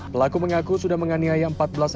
pelaku mengaku sudah menganiaya empat penyelamat